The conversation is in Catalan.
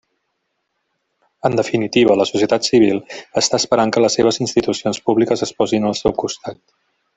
En definitiva, la societat civil està esperant que les seves institucions públiques es posin del seu costat.